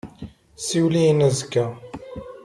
Siwel-iyi-n azekka.